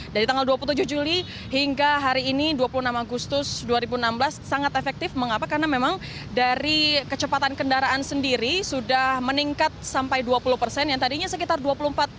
dari tanggal dua puluh tujuh juli hingga hari ini dua puluh enam agustus dua ribu enam belas sangat efektif mengapa karena memang dari kecepatan kendaraan sendiri sudah meningkat sampai dua puluh persen yang tadinya sekitar dua puluh empat jam